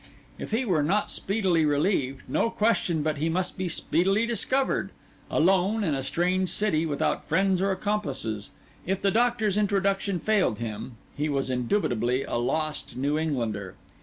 If he were not speedily relieved, no question but he must be speedily discovered. Alone in a strange city, without friends or accomplices, if the Doctor's introduction failed him, he was indubitably a lost New Englander.